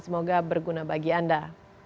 semoga berguna bagi anda